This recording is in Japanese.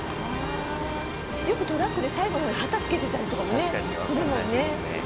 よくトラックで最後旗つけてたりとかもねするもんね。